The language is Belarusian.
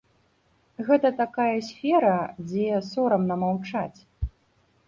Гэта такая сфера, дзе сорамна маўчаць.